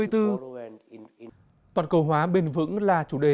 toàn cầu hóa bền vững là chủ đề